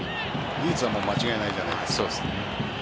技術は間違いないじゃないですか。